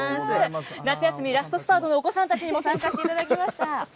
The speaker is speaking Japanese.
夏休みラストスパートのお子さんたちにも参加していただきました。